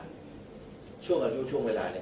มีร่องรอยการถูกกำไร